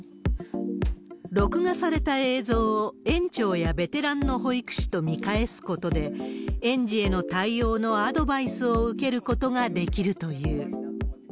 録画された映像を園長やベテランの保育士と見返すことで、園児への対応のアドバイスを受けることができるという。